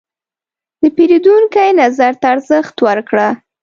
د پیرودونکي نظر ته ارزښت ورکړه.